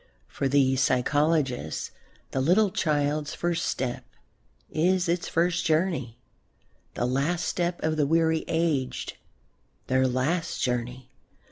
For these psychologists the little child's first step is its first journey, the last step of the weary aged their last journey.